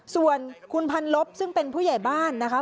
ส่วนคุณพันลบซึ่งเป็นผู้ใหญ่บ้านนะคะ